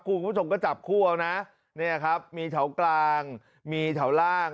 คุณผู้ชมก็จับคู่เอานะเนี่ยครับมีแถวกลางมีแถวล่าง